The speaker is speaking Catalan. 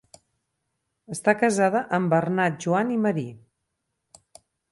Està casada amb Bernat Joan i Marí.